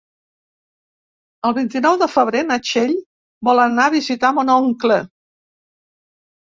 El vint-i-nou de febrer na Txell vol anar a visitar mon oncle.